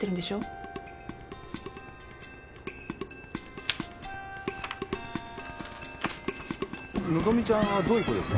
和希ちゃんはどういう子ですか？